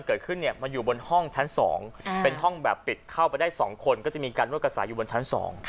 เข้าไปได้๒คนก็จะมีการรวดกระสาอยู่บนชั้น๒